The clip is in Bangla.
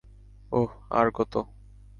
ওহ, আর কত!